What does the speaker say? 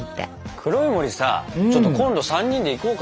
黒い森さちょっと今度３人で行こうか。